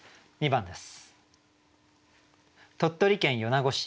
２番です。